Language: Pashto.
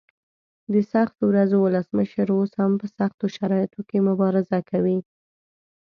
د سختو ورځو ولسمشر اوس هم په سختو شرایطو کې مبارزه کوي.